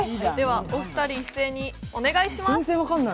お二人一斉にお願いします。